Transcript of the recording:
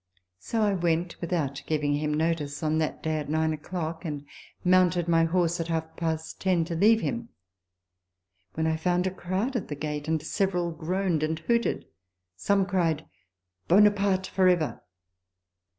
So I went without giving him notice, on that day at 9 o'clock, and mounted my horse at half past 10 to leave him ; when I found a crowd at the gate, and several groaned and hooted. Some cried, " Buonaparte for ever